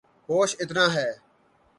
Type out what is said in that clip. ہوش اتنا ہے